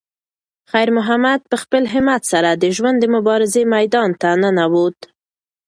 خیر محمد په خپل همت سره د ژوند د مبارزې میدان ته ننووت.